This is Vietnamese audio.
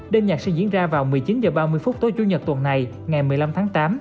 đêm nhạc sẽ diễn ra vào một mươi chín h ba mươi phút tối chủ nhật tuần này ngày một mươi năm tháng tám